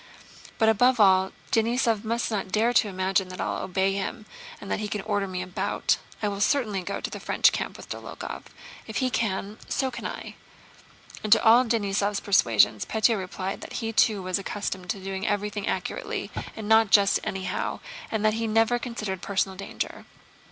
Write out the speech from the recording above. "But above all Denísov must not dare to imagine that I'll obey him and that he can order me about. I will certainly go to the French camp with Dólokhov. If he can, so can I!" And to all Denísov's persuasions, Pétya replied that he too was accustomed to do everything accurately and not just anyhow, and that he never considered personal danger.